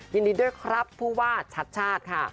ยินดีด้วยครับผู้ว่าชัดชาติค่ะ